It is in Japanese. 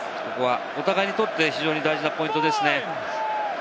お互いにとって非常に大事なポイントですね。